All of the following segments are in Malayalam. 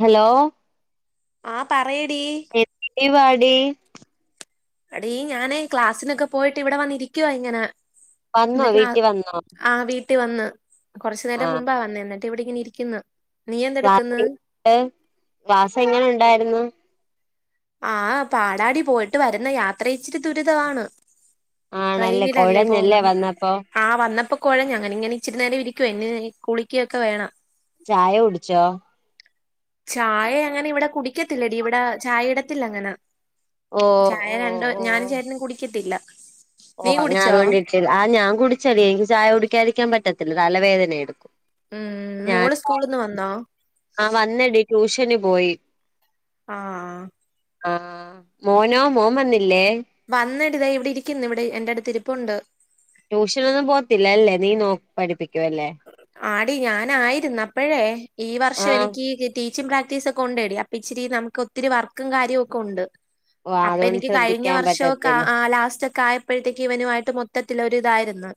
ഹലോ ആഹ് പറയടീ എത്തെവാടീ എടീ ഞാന് ക്ലാസ്സിനൊക്കെ പോയിട്ട് ഇവിടെ വന്നിരിക്കുവാ ഇങ്ങനെ വന്നോ ഇന്ന് ക്ലാ വീട്ടിൽ വന്നോ ആഹ് വീട്ട്- ട്ടി വന്ന് കാെറച്ച് നേരം ആഹ് മുമ്പാ വന്നെ എന്നിട്ട് ഇവിടെ ഇങ്ങനെ ഇരിക്കുന്നു നീ എന്തെടുക്കുന്ന് ഏ് ക്ലാസ്സ് എങ്ങനെ ഇണ്ടായിരുന്നു ആഹ് പാടാടി പോയിട്ട് വര്ന്ന യാത്ര ഇച്ചിരി ദുര്തമാണ് ആണല്ലേ ട്രെയിനിലല്ലേ കുഴഞ്ഞല്ലേ പോകുന്നത് വന്നപ്പോ ആഹ് വന്നപ്പോ കാെഴഞങ്ങന ഇങ്ങനെ ഇച്ചിരി നേരം ഇരിക്കുവെ എന്ന് കുളിക്കയൊക്കെ വേണം ചായ കുടിച്ചോ ചായ അങ്ങനെ ഇവിടെ കുടിക്കത്തില്ലടീ ഇവ്ടെ ചായ ഇടത്തില്ല അങ്ങനെ ഓ ചായ ഓ രണ്ട് ഞാനും ചേട്ടനും കുടിക്കത്തില്ല നീ ഓഹ് അങ്ങനെ കുടിച്ചോ അതുകൊണ്ടിട്ടില്ല ആഹ് ഞാൻ കുട്ച്ചെടീ ഇൻക്ക് ചായ കുടിക്കാതിരിക്കാൻ പറ്റത്തില്ല തല വേദന എടുക്കും ഉം മോള് സ്കൂള്ന്ന് വന്നോ ആഹ് വന്നടി ട്യൂഷന് പോയി ആഹ് ആഹ് മോനോ മോൻ വന്നില്ലേ വന്നടി ഇതാ ഇവിടെ ഇരിക്കിന്ന് ഇവിടെ എ എന്റെടുത്ത് രിപ്പുണ്ട് ട്യൂഷനൊന്നും പോത്തില്ലല്ലേ നീ നോക്ക് പഠിപ്പിക്കുവല്ലേ ആടീ ഞാനായിരുന്നു അപ്പഴേ ഈ വർഷം ആഹ് എനിക്ക് ടീച്ചിങ് പ്രാക്ടീസ് ഒക്കെണ്ടെടി അപ്പം ഇച്ചിരി നമുക്കൊത്തിരി വർക്കും കാര്യവും ഒക്കെ ഉണ്ട് അപ്പൊ അതുകൊണ്ട് എനിക്ക് കഴിഞ്ഞ ശ്രദ്ധിക്കാൻ വർഷോക്കെ പറ്റത്തില്ല ആ ലാസ്റ്റ് ഒക്കെ ആയ പ്പഴത്തേക്ക് ഇവനുവായിട്ട് മൊത്തത്തിലൊരു ഇതായിരുന്ന്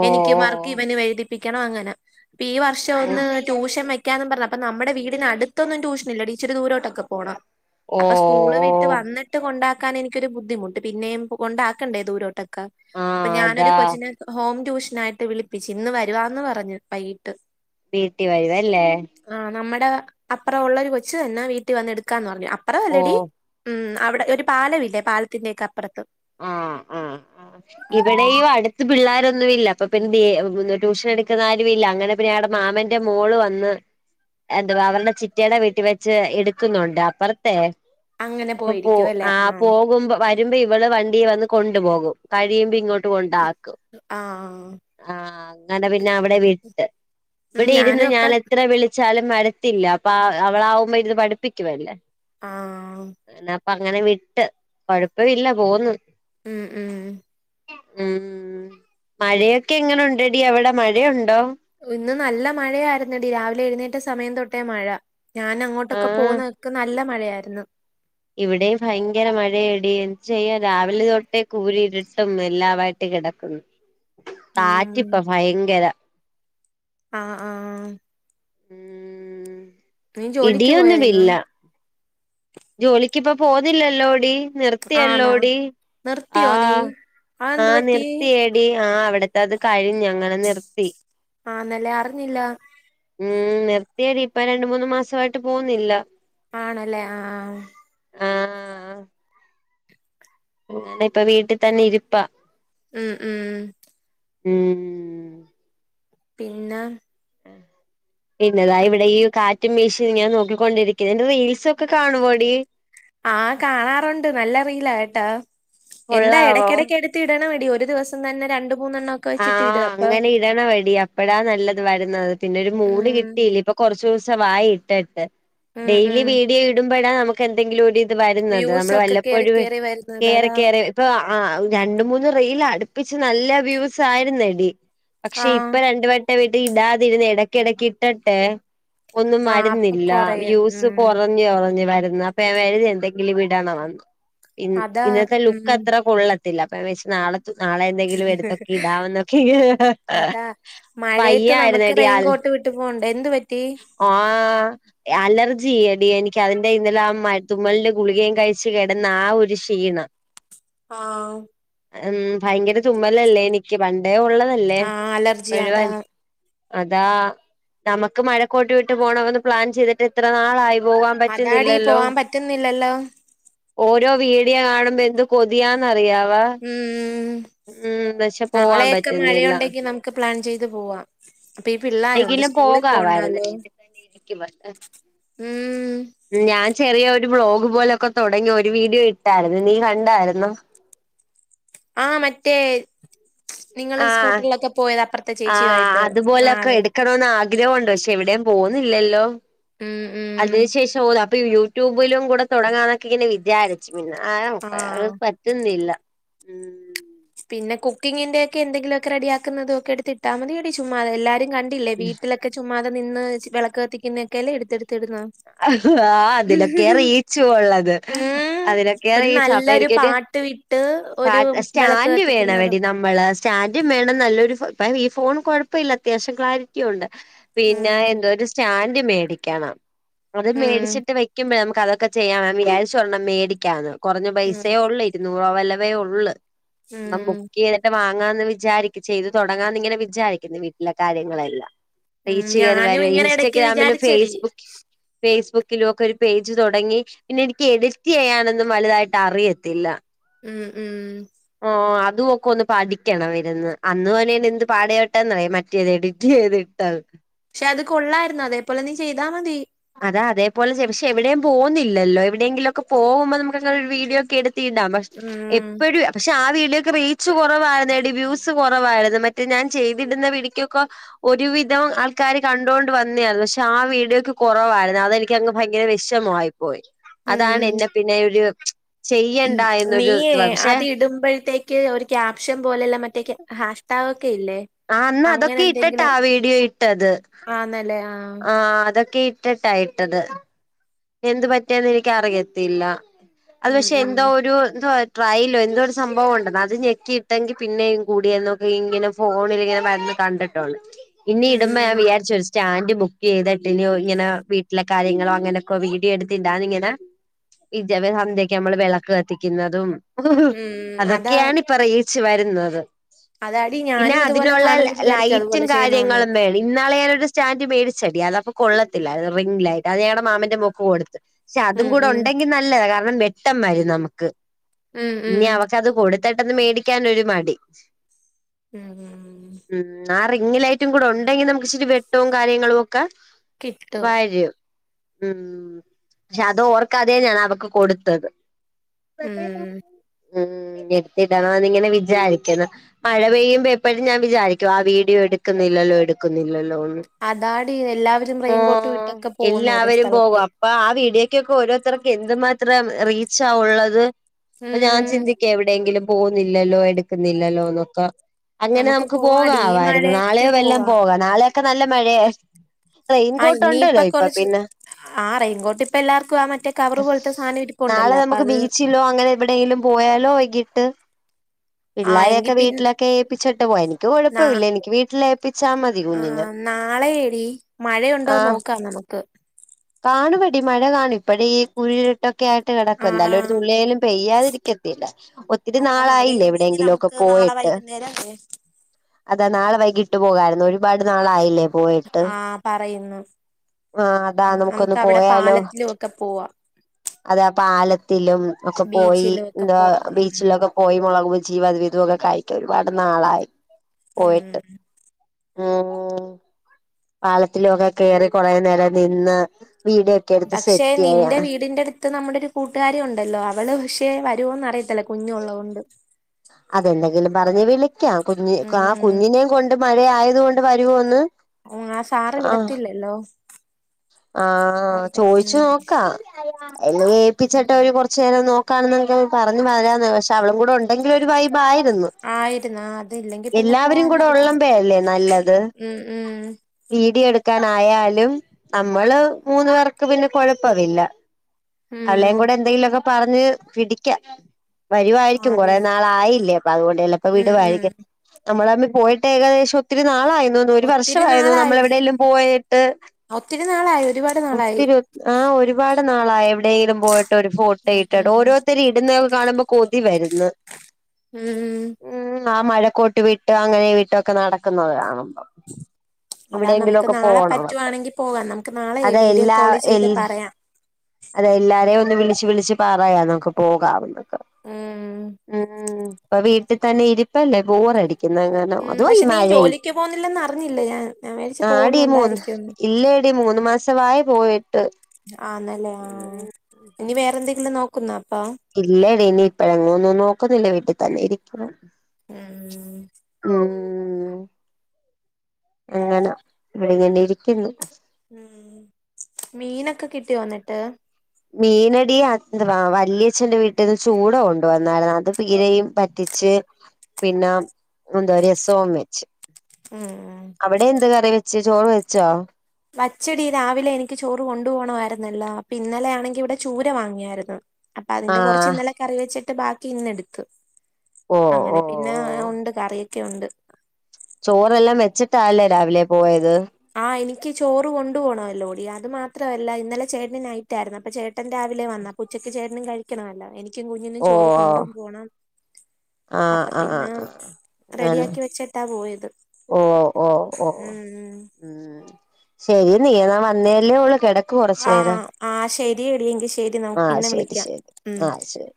ഓ എനിക്കും ഓ വർക്ക് ഇവനും എഴുതിപ്പിക്കണം അങ്ങനെ ഇപ്പ ഈ വർഷം ഓ ഒന്ന് ട്യൂഷൻ വെക്ക് ക്കാന്നും പറഞ്ഞ് അപ്പൊ നമ്മടെ വീടിനടുത്തൊന്നും ട്യൂഷ്നില്ല ഇച്ചിരി ദൂരോട്ടൊക്കെ പോണം ഓ അപ്പൊ സ്കൂള് വി ട്ട് ഓ വന്ന്ട്ട് കൊണ്ടാക്കാൻ എനിക്കൊരു ബുദ്ധിമുട്ട് പിന്നെയും കൊണ്ടാക്കണ്ടേ ദൂരോട്ടൊക്ക ആ അപ്പൊ അതാ ഞാനൊരു കൊച്ചിനെ ഹോം ട്യൂഷ്നായിട്ട് വിളിപ്പിച്ച് ഇന്ന് വരുവാന്ന് പറഞ്ഞു വൈകീട്ട് വീട്ടി വരുവല്ലേ ആഹ് നമ്മടെ അപ്പറം ഉള്ളരു കൊച്ചു തന്നെ വീട്ടി വന്ന് എടുക്കാന്ന് പറഞ്ഞു അപ്പറ ഓ അല്ലടി ഉം അവിടെ ഒരു പാലവില്ലേ പാലത്തിന്റെ ഒക്ക അപ്പറത്ത് ആഹ് ആഹ് ആഹ് ഉം, ഇവിടെയും അട് ത്ത് പിള്ളോരൊന്നുവില്ല അപ്പൊ പിന്ന ദിയേ ട്യൂഷൻ എട്ക്കുന്ന ആരുയില്ല അങ്ങനെ പിന്നെ ആടെ മാമന്റെ മോള് വന്ന് എന്തുവാ അവർടെ ചിറ്റേടെ വീട്ടി വെച്ച് എടുക്കുന്നുണ്ട് അപ്പറത്തെ അങ്ങനെ അപ്പൊ പോ പോയിരിക്കും അല്ലേ ആ ആഹ് പോകുമ്പോ വര് വരുമ്പോ ഇവള് വണ്ടീവന്ന് കൊണ്ടുപോകും കഴിയുമ്പോ ഇങ്ങോട്ട് കൊണ്ടാക്കും ആഹ് ആഹ് അങ്ങനെ പിന്നെ അവിടെ വിട്ട് ഉം ഇവിടെ ഇരുന്ന് ഞാനും അപ്പ ഞാൻ എത്ര വിളി ച്ചാലും വരത്തില്ല അപ്പൊ അവളാവുമ്പോ ഇരുന്ന് പഠിപ്പിക്കുവല്ലേ ആഹ് ന്നപ്പ അങ്ങനെ വിട്ട് കാെഴപ്പവില്ല പോവ്ന്ന് ഉം ഉം ഉം മഴയൊക്കെ എങ്ങെനുണ്ടടീ അവടെ മഴയുണ്ടോ ഇന്ന് നല്ല മഴയായിരുന്നടീ രാവിലെ എഴുന്നേറ്റ സമയം തൊട്ടേ മഴ ഞാനങ്ങോട്ടൊക്കെ ആഹ് പോകുന്നതക്ക് നല്ല മഴയായിര്ന്നു ഇവിടെയും ഭയങ്കര മഴയടീ എന്ത് ചെയ്യാ രാവിലെ തൊട്ടേ കൂരി ഇരുട്ടും എല്ലാവായിട്ട് കിടക്കുന്നു ഉം കാറ്റിപ്പം ഭയങ്കരാ ആഹ് ആഹ് ഉം ഉം നീ ജോലിക്ക് പോയായിന്നോ ജോലിക്കിപ്പോ പോന്നില്ലല്ലോടി ആണോ നിർത്തിയല്ലോടി നിർത്തിയോ നീ ആഹ് ആ അതെന്ത് പറ്റി നിർത്തിയ ടി ആഹ് അവിടത്തെ അത് കഴിഞ്ഞങ്ങനെ നിർത്തി ആന്നല്ലെ അറിഞ്ഞില്ല ഉം നിർത്തിയടി ഇപ്പ രണ്ട മൂന്ന് മാസായിട്ട് പോകുന്നില്ല ആണല്ലേ ആഹ് ആഹ് ഇപ്പ വീട്ടി തന്നെ ഇരിപ്പാ ഉം ഉം ഉം പിന്നാഹ് ഏഹ് പിന്നെതാ ഇവിടെ ഈ കാറ്റും വീശി ഇങ്ങനെ നോക്കിക്കൊണ്ടിരിക്കുന്നു എന്റെ റീൽസ് ഒക്കെ കാണുവോടി ആഹ് കാണാറൊണ്ട് നല്ല റീലാ കേട്ടോ എന്താ കൊള്ളാവോ എടക്കടക്ക് ഇടണേടി ഒരു ദിവസം തന്നെ രണ്ട് മൂന്നെണ്ണം ഒ ആഹ് അങ്ങനെ ഇടണവടി അപ്പഴ നല്ലത് വരുന്നത് പിന്നെ ഒരു മൂട് ഉം കിട്ടിയില്ല ഇപ്പൊ കൊറച്ച് ദിവസവായി ഇട്ടിട്ട് ഉം ഡെയിലി ഉം വീഡിയോ ഇടുമ്പോഴാ നമുക്ക് എന്തെങ്കിലും ഒരു വരുന്നത് വ്യൂസ് നമ്മൾ ഒക്കെ കേറി വല്ലപ്പോഴും കേറി വരുന്നത് കേറി അതാ കേറി ഇപ്പൊ ആഹ് രണ്ട് മൂന്ന് റീൽ അടുപ്പിച്ച് നല്ല വ്യൂസ് ആരുന്നടി പക്ഷെ ആഹ് ഇപ്പ രണ്ടു വെട്ടം ഇത് ഇടാതിരുന്ന് എടക്കെടക്ക് ഇട്ടട്ടെ ഒന്നും ആഹ് അപ്പൊ വരുന്നില്ല കൊറയും വ്യൂസ് ഉം കൊറ കൊറഞ് കൊറഞ് വരുന്ന് അപ്പൊ ഞാൻ വഴു എന്തെങ്കിലും ഇടണവെന്ന് ഇന്ന അതാ ഇന്നത്തെ ലുക്ക് ഉം അത്ര കൊള്ളത്തില്ല അപ്പ ഞവിചാച് നാളെ നാളെ എന്തെങ്കിലും എടുത്ത ഇടാവെന്നൊക്കെ അതാ മഴയത്ത് നമുക്ക് വയ്യാരുന്നെടി അൽ റെയിൻകോട്ട് വിട്ട് പോണ്ടേ എന്ത് പറ്റി ആഹ് അലർജിയെടി എനിക്ക് അതിന്റെ ഇന്നലെ ആ മ തുമലിന്റെ ഗുളികയും കഴിച്ചു കെടന്ന ആ ഒരു ക്ഷീണം ആഹ് ഉം ഭയങ്കര തുമ്മലല്ലേ എനിക്ക് പണ്ടേ ഒള്ളതല്ലേ ആഹ് അലർജി ഇപ്പഴു അതാ അതാ നമുക്ക് മഴക്കോട്ട് വിട്ട് പോണമന്ന് പ്ലാൻ ചെയ്തിട്ട് എത്ര നാളായി പോവാം അതാടി പോവാൻ പറ്റുന്നില്ലല്ലോ ഓരോ വീടിയോ കാണുമ്പോ എന്ത് കൊതിയാന്നറിയാവ ഉം പോവാൻ നാളെയൊക്കെ പറ്റുന്നില്ല മഴയൊണ്ടെങ്കി നമുക്ക് പ്ലാൻ ചെയ്ത് പോവാം ഇപ്പ ഈ പിള്ളാരുണ്ട് എങ്കിലും സ്കൂളി പോകാവായിരുന്നു പോണ്ടാലോ വീട്ടിൽ തന്നെ ഇരിക്കുവ ഉം ഞാൻ ചെറിയ ഒരു വ്ലോഗ് പോലൊക്ക തൊടങ്ങി ഒരു വീഡിയോ ഇട്ടാരുന്ന് നീ കണ്ടാരുന്നോ ആഹ് മറ്റേ നിങ്ങള് ആഹ് സ്കൂട്ടറിലൊക്കെ പോയത് അപ്പറത്തെ ചേച്ചിയുവായിട്ട് ആഹ് അത് ക്കണമെന്ന് ആഗ്രഹോണ്ട് പക്ഷെ എവിടെയും പോന്നില്ലല്ലോ ഉം ഉം അതിനു ശേഷം ന്ന അപ്പൊ യൂട്യൂബിലും കൂടെ തുടങ്ങാന്നൊക്കെ ഇങ്ങനെ വിചാ ച്ച് പിന്ന ആഹ് ഹ് പറ്റുന്നില്ല ഉം പിന്ന കുക്കിംഗ്ന്റെ ഒക്കെ എന്തങ്കിലുവൊക്കെ റെഡിയാക്കുന്നത് ഒക്കെ എടുത്ത് ഇട്ടാ മതിയടി ചുമ്മാതെ എല്ലാരും ക ണ്ടിലെ വീട്ടിലൊക്കെ ചുമ്മാതെ നിന്ന് വെളക്ക് കത്തിക്കുന്ന ഒക്കെല്ലേ എടുത്തെടുത്ത് ഇടുന്ന് ആഹ് ആ അതിനോക്കെയാ റീച്ചു ഒള്ളത് ഉം അതിനൊക്കെയാ ഒരു റീച്ച് അപ്പ നല്ലൊരു എനിക്കൊരു പാട്ട് വിട്ട് ഒരു വിളക്ക് സ്റ്റാൻഡ് കത്തിക്കുന്നതും വേണവടി നമ്മള് സ്റ്റാഡും വേണം നല്ലൊരു ഫോ ഇപ്പ ഈ ഫോൺ കൊഴപ്പല്ല അത്യാശം ക്ലാരിറ്റി ഒണ്ട് പിന്ന ഉം എന്തോ ഒരു സ്റ്റാൻഡ് മേടിക്കണം അതും ഉം മേടിച്ചിട്ട് വെക്കുമ്പോയെ നമുക്ക് അതൊക്കെ ചെയ്യാം വം വിചാരിചെ ഒരെണം മേടിക്കാന്ന് കുറഞ്ഞ ഉം പൈസേ ഒള്ള് അയിന് ഇരുന്നൂറോ വല്ലവേ ഒള്ള് ഒരെണ്ണം ഉം ബുക്ക്‌ ചെയ ണ്ണം വാങ്ങാന്ന് വിചാരിക്ക ചെയ്ത് തൊടങ്ങാന്ന് ഇങ്ങനെ വിചാരിക്ക്ന്ന് വീട്ടിലെ കാര്യങ്ങളെല്ലാം ഉം റീച്ച് കെയറി ഞാനും വരുവ ഇങ്ങനെ ഇടക്ക് ഇൻസ്റ്റഗ്രാമിലും വിചാരിച്ചെടി ഫേസ്ബുക്കി ഫേസ്ബുക്കിലുവൊക്കെ ഒരു പേജ് തൊടങ്ങി പിന്നെ എനിക്ക് എഡിറ്റ് ചെയ്യാനൊന്നും വലുതായിട്ട് അറിയത്തില്ല ഉം ഉം ഓഹ് അതുവൊക്കെ ഒന്ന് പഠിക്കണം ഇരുന്ന് അന്ന് തന്നെ എന്ത് പാട് പെട്ടന്നറിയുവോ മറ്റേത് എഡിറ്റ് ചെയ്ത് ഇട്ടത് പക്ഷെ അത് കൊള്ളായിരുന്ന് അതേപോലെ നീ ചെയ്താ മതി അതാ അതേപോലെ ചെ പക്ഷെ എവിടേം പോന്നില്ലല്ലോ എവിടെങ്കിലൊക്കെ പോവുമ്പോ നമുക്ക് അങ്ങന ഒരു വീഡീയോ ഒക്കെ എടുത്തിടാം ഉം എപ്പരും പക്ഷെ ആ വീഡിയൊയ്ക്ക് റീച്ച് കുറവായേനേടി വ്യൂസ് കുറവായിരുന്നു മറ്റേ ഞാൻ ചെയ്തിടുന്ന വീഡിക്കൊക്കെ ഒരുവിധം ആൾക്കാര് കണ്ടുകൊണ്ട് വന്നയാരുന്നു പക്ഷെ ആ വീഡിയോയ്ക്ക് കുറവായിരുന്നു അതെനിക്കങ്ങ് ഭയങ്കര വിഷമമായി പോയി അതാണ് ഉം എന്നെ പിന്നെ ഒരു ചെയ്യണ്ട എന്നൊരു നീയേ ഇത് പക്ഷെ അത് ഇടുമ്പഴത്തേ ക്ക് ഒരു ക്യാപ്ഷൻ പോലുള്ള മറ്റേ ഹാഷ്ടാഗ് ഒക്കെ ഇല്ലേ ആ അന്ന് അങ്ങനെ അതൊക്കെ ഇട്ടട്ടാ എന്തെങ്കിലും ആ വീഡിയോ ഇട്ടത് ആന്നല്ലേ ആഹ് ആ അതൊക്കെ ഇ ഇട്ടട്ടാ ഇട്ടത് എന്ത്‌ പറ്റിയന്ന് എനിക്ക് അറിയത്തില്ല അത് ഉം പക്ഷെ ഉം എന്തോ ഒരു എന്തുവാ ട്രൈലോ എന്തോ ഒരു സംഭവം ഉണ്ടെന്ന് അത് ഞെക്കിയിട്ടെങ്കിൽ പിന്നെയും കൂടിയേനെ എന്നൊക്കെ ഇങ്ങനെ ഫോണിൽ ഇങ്ങനെ വന്ന് കണ്ടിട്ട് ആണ് ഇനി ഇടുമ്പം ഉം ഞാൻ വിചാരിച്ചു ഒരു സ്റ്റാൻഡ് ബുക്ക് ചെയ്തിട്ട് ഇനി ഇങ്ങനെ വീട്ടിലെ കാര്യങ്ങളോ അങ്ങനെ ക്കൊ വീഡിയോ എടുത്തിടാന്ന് ഇങ്ങനെ വിചാ സന്ധ്യയ്ക്ക് നമ്മള് വിളക്ക് കത്തിക്കുന്നതും ഉം അതാ അതൊക്കെയാണ് ഇപ്പൊ റീച്ച് വരുന്നത് അതാടി പിന്നെ ഞാനും ഇതുപോലെ അതിനുള്ള കാണുമ്പോ വിചാരിക്കും ലൈറ്റും അതുപോലെ ചെയ്യണോന്ന് കാര്യങ്ങളും വേണ് ഇന്നാള് ഞാനൊരു സ്റ്റാൻറ് മേടിച്ചടി അതൊക്കെ കൊള്ളത്തില്ലാരുന്നു റിംഗിലായിട്ട് അത് ഞങ്ങടെ മാമന്റെ മോൾക്ക് കൊടുത് പക്ഷെ അതും ഉം കൂടെ ഉം ഉണ്ടെങ്കിൽ നല്ലത കാരണം വെട്ടം വരും നമ്മക്ക് ഉം ഇനി അവ പക്ഷെ അത് കൊടുത്തിട്ടൊന്ന് മേടിക്കാനൊരു മടി ഉം ഉം ഉം ആ റിങ്‌ ലൈറ്റും കൂടെ ഉണ്ടെങ്കിൽ നമുക്ക് ഇച്ചിരി വെട്ടവും കാര്യങ്ങളും ഒക്കെ കിട്ടും വരും ഉം പക്ഷെ അത് ഓർക്കാതെയാ ഞാൻ അവൾക്ക് കൊടുത്തത് ഉം ഉം എടുത്തിടണം എന്നിങ്ങനെ വിചാരിക്കുന്നു മഴ പെയ്യുമ്പം എപ്പഴും ഞാൻ വിചാരിക്കും ആ വീഡിയോ എടുക്കുന്നില്ലല്ലോ എടുക്കുന്നില്ലല്ലോ എന്ന് അതാടി എല്ലാവരും റെയിൻകോട്ടുവിട്ടൊക്കെ പോകുന്നു ഒരേ സ്ഥലത്ത് പ്പാ ആ വീഡിയോയ്ക്കൊക്കെ ഓരോരുത്തർക്ക് എന്തു മാത്രം റീച്ചാ ഉള്ളത് ഇപ്പൊ ഞാൻ ഉം ചിന്തിക്കുകയാ എവിടെയെങ്കിലും പോകുന്നില്ലല്ലോ എടുക്കുന്നില്ലല്ലോന്നൊക്കെ അങ്ങനെ നമുക്ക് പോവാടി ഈ പോകാവാരുന്നു മഴക്ക് നാളെയോ വല്ലോം പോവാ പോകാം നാളെയൊക്കെ നല്ല മഴയാ റെയിൻകോട്ട് ഉണ്ടല്ലോ ഇപ്പൊ പിന്നെ ആ റെയ്ൻകോട്ട് ഇപ്പ എല്ലാർക്കും ആ മറ്റേ കവറ് പോലത്തെ സാധനം ഇരിപ്പോണ്ടല്ലോ അപ്പൊ അത് കിലോ അങ്ങനെ എവിടേലും പോയാലോ വൈകിട്ട് ആഹ് പിള്ളാരെയൊക്കെ എങ്കി പിന്നെ വീട്ടിലൊക്കെ ഏപ്പിച്ചിട്ട് പോകാം എനിക്ക് നാ കുഴപ്പമില്ല എനിക്ക് വീട്ടിൽ ഏൽപ്പിച്ചാൽ മതി കുഞ്ഞിനെ നാളെ ഏടി ആ മഴയുണ്ടോന്ന് നോക്കാം നമുക്ക് കാണുവെടി മഴ കാണും ഇപ്പഴെ ഈ കുഴിയി ട്ടൊക്കെ ആയിട്ട് കിടക്കുവല്ലേ അല്ലേൽ ഒരു ആഹ് തുള്ളിയേലും പെയ്യാതിരിക്കത്തില്ല ഒത്തിരി അതാ നാളായില്ലേ എവിടെയെങ്കിലും ഒക്കെ പോയിട്ട് എ അതാ നാളെ വൈകിട്ട് പോകാരുന്നു ഒരുപാട് നാളായില്ലേ പോയട്ട് ആഹ് പറയുന്നു ആ അതാ നമുക്ക് നമുക്കൊന്ന് അവിടെ പോയാലോ പാലത്തിലും ഒക്കെ പോവാം അതാ പാലത്തിലും ഒക്കെ പോയി ബീച്ചിലും ഒക്കെ എന്താ പോവാം ഉം ബീച്ചിലൊക്കെ പോയി മുളക് ബജിയും അതുവിതുവൊക്കെ കഴിക്കാം ഒരുപാട് നാളായി പോയിട്ട് ഉം ഉം പാലത്തിലും ഒക്കെ കേറി കുറെ നേരം നിന്ന് വീഡി പക്ഷെ നിന്റെ വീടിന്റെ അടുത്ത് ത് നമ്മുടെ ഒരു കൂട്ടുകാരി ഉണ്ടല്ലോ അവള് പക്ഷെ വരുവോന്ന് അറിയത്തില്ല കുഞ്ഞുള്ള ണ്ട് അതെന്തെങ്കിലും പറഞ്ഞ് വിളിക്കാം കുഞ്ഞ് കാ കുഞ്ഞിനെയും കൊണ്ട് മഴയായത് കൊണ്ട് വരുവോന്ന് ആ സാറ് വിടത്തില്ലല്ലോ ആഹ അവിടെ ചോദിച്ചു ഉം നോക്കാം എല്ല ഏപ്പിച്ചിട്ട ഉം ഒരുക്കുറച്ച് ച്ച നേരം നോക്കാണെന്നൊക്കെ പറഞ്ഞഞ് വരന്ന് പക്ഷെ അവളും കൂടെ ഉണ്ടെങ്കില ഒരു വൈബായിരുന്നു ആയിരുന്നു അതിലെങ്കി പിന്നെ എല്ലാവരും കൂടെ പോവാനൊന്ന ഉള്ളമ്പഴല്ലേ രുഉ ഉ വീഡിയ എടുക്കൻായാലും നമ്മള് മൂന്നു പേർക്ക് പിന്നെ കൊഴപ്പവില്ല അവള്ളേയും ഉം കൂടെ എന്തെങ്കിലുംൊക്കെ പറഞ്ഞ് പിടിക്ക വരുവായിരിക്കും ആടി കൊറേ ല്ലേ അ അതുകൊണ്ട്പ്പോ വീട് ഉം വാ ഉം നമ്മളമ്മ പോയിട്ട് ഏകദേശം ഒത്തിരി നാളായി ഒരു ഒത്തിരി വർഷമായിരുന്നു നമ്മൾ നാളായിടി എവിടെയെല്ലും പോയിട്ട് ഒത്തിരി നാളായി ഒരുപാട് നാളായി ഒത്തിരി ആഹ ഒരുപാട് നാളായി എവിടെയെങ്കിലും പോയിട്ട് ഒരു ഫോട്ടോ ഉം ഇട്ടട്ടോ ഉം ഓരോരുത്തര ഇട്ടുന്നൊെ കാണുമ്പോൾ കൊതി വരുന്ന് ഉം ഉം ആ മഴക്കോട്ട് വിീട്ട് അങ്ങനെ വിട്ടൊക്കെ നടക്കുന്നത് കാണുമ്പോ അതാ എവിടെയെങ്കിലും നമുക്ക് ഒക്കെ നാളെ പോണോ അപ്പൊ പറ്റുവാണെങ്കി പോകാം നമുക്ക് നാളെ അത വീഡിയോ എല്ലാ കോള് എ ചെയ്ത് പറയാം അതെ എല്ലാരെയ ഒന്ന് വിളിച്ചവിളിച്ച് പറയാ നമക്ക് പോകാവന്നൊക്കെ ഉം ഉം ഇപ്പ വീട്ടിൽ തന്നെ ഇരിപ്പല്ലേ ബോറടിക്കുന്നങ്ങനെ ഉം അതോ പോ പക്ഷെ നീ മഴ ജോലിക്ക് പോകുന്നില്ലെന്ന് അറിഞ്ഞില്ല ഞാൻ ഞാൻ വിചാരിച്ച് യായിആടി മൂന്ന് പോകുന്നുണ്ടായിരിക്കുംന്ന് ഇല്ലേ ല്ലടിമൂന്ന് മാസമായി പോയിട്ട് ആന്നല്ലേ ആഹ ഇനി വേറെന്തെങ്കിലും നോക്കുന്നോ അപ്പൊ ഇല്ലടിഇനി ഇപ്പഴങ്ങ ഒന്നും നോക്കുന്നില്ല വീട്ടിൽ തന്നെ ഇരിക്കണം ഉം ഉം അങ്ങനാ ഇവിടെങ്ങനെ ഇരിക്കുന്നു ഉ മീനൊക്കെ കിട്ടി യോന്നിട്ട് മീനടി എന്തവാ വലിയച്ഛ്ന്റെ വീട്ടിൽന്ന് ചൂള കൊണ്ട വന്ന യിരുന്നു അത് പീരയും പറ്റിച്ച് പിന്നെ എന്താ രസവുംം വെച്ച് ആ ആ അവിടെ എന്ത്ാ കറി വെച്ച ചോറ് വെച്ചോ വച്ചടി രാവിലെ എനിക്ക് ചോറ് കൊണ്ടുപ പോകണമായിരുന്നില്ല അപ്പ ഇന്നലെ ആണെങ്കി ഇവിടെ ചൂര വാങ്ങിയായിരുന്നു അപ്പൊ അതിന്റെ കുറച്ച് ആഹ് ഇന്നലെ കറി വെച്ചിട്ട് ബാക്കി ഇന്ന എടുത്തു ഓ ഓ അങ്ങനെന്നെ പിന്നെ ഓ ഉണ്ട് കറിയൊക്കെ ഉണ്ട് ചോറെല്ലാം വെച്ചിട്ടാല്ലേ രാവിലെ പോയത് ആ എനിക്ക് ചോറ് കൊണ്ടു പോോണമല്ലോടി അത് മാത്രമല്ല ഇന്നലെ ചേട്ടൻ നയിറ്റായിരുന്നു അപ്പ ചേട്ടൻ രാവിലെ വന്ന ഉച്ചക്ക് ചേട്ടനും കഴിക്കണേല്ലോ എനിക്കും കുഞ്ഞിനും ചോറ് കൊണ്ടും പോണം ആഹ അപ്പൊ ആഹ് പിന്നെ ആ ആണല്ലെ റെഡിയാക്കി വെച്ചിട്ടാ പോയത് ഓ ഓ ഓ ഉം ഉം ഉം ശരി നീ എന്നാ വന്നേല്ലേ ഉള്ളു കെട്ട ടക്കൂകുറച്ചു ആ യേരം ആ ശരിയെടി എങ്കി ശരി നമുക്ക് ആഹ പിന്നെ ശരി വിളിക്കാം ശരി ഉം ആഹ ശരി